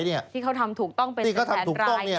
ที่เขาทำถูกต้องเป็นแสนราย